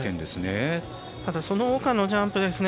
ただ、そのほかのジャンプ。